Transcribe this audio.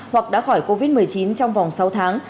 hoặc đã khỏi covid một mươi chín trong vòng sáu tháng